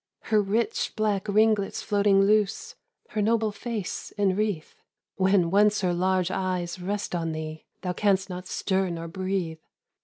"Her rich black ringlets floating loose, Her noble face enwreath. When once her large eyes rest on thee, Thou canst not stir nor breathe.